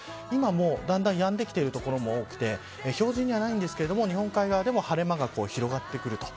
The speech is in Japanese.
今もうだんだんやんできている所も多くて表示にはないんですが日本海側でも晴れ間が広がってくる。